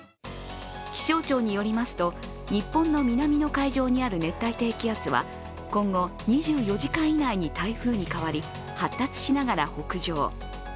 気象庁によりますと、日本の南の海上にある熱帯低気圧は今後、２４時間以内に台風に変わり発達しながら北上。